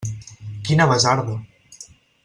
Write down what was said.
Quina basarda!